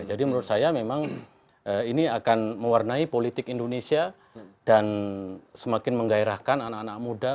jadi menurut saya memang ini akan mewarnai politik indonesia dan semakin menggairahkan anak anak muda untuk terbang